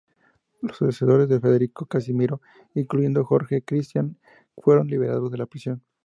Los asesores de Federico Casimiro, incluyendo Jorge Cristián, fueron liberados de la prisión.